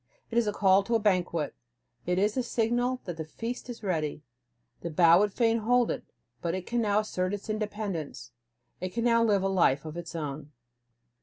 It is a call to a banquet, it is a signal that the feast is ready. The bough would fain hold it, but it can now assert its independence; it can now live a life of its own.